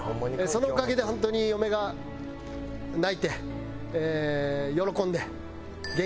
そのおかげで本当に嫁が泣いて喜んで。